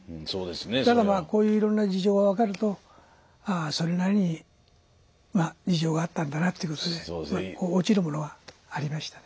だからまあこういういろんな事情が分かるとああそれなりにまあ事情があったんだなっていうことでこう落ちるものはありましたね。